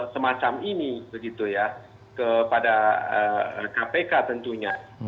semacam ini begitu ya kepada kpk tentunya